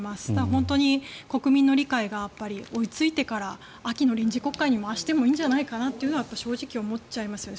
本当に国民の理解が追いついてから秋の臨時国会に回してもいいんじゃないかなとは思っちゃいますよね。